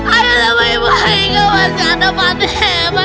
ayah sama ibu ayah gak bercanda pak deh